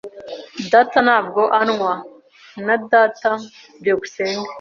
"Data ntabwo anywa." "Na data." byukusenge